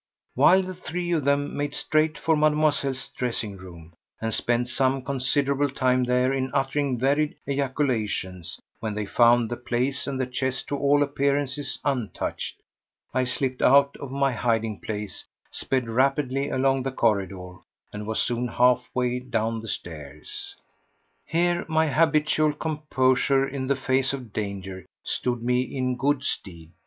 While the three of them made straight for Mademoiselle's dressing room, and spent some considerable time there in uttering varied ejaculations when they found the place and the chest to all appearances untouched, I slipped out of my hiding place, sped rapidly along the corridor, and was soon half way down the stairs. Here my habitual composure in the face of danger stood me in good stead.